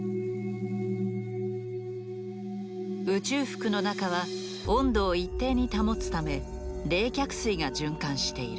宇宙服の中は温度を一定に保つため冷却水が循環している。